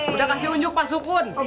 udah kasih unjuk pasupun